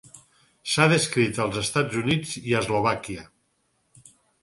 S'ha descrit als Estats Units i a Eslovàquia.